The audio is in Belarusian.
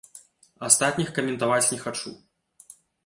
Астатніх каментаваць не хачу.